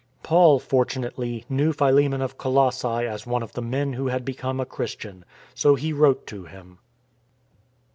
Paul, fortunately, knew Philemon of Colossse as one of the men who had become a Christian. So he wrote to him.